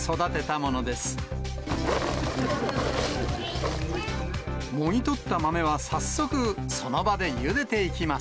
もぎ取った豆は早速、その場でゆでていきます。